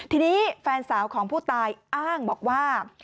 ทีนี้แฟนสาวของผู้ตายอ้างบอกว่า